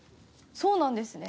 そうなんですね。